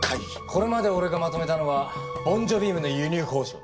これまで俺がまとめたのはボンジョビウムの輸入交渉。